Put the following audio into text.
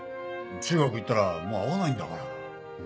中学行ったらもう会わないんだから。